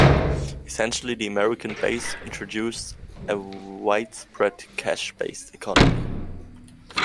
Essentially, the American base introduced a widespread cash-based economy.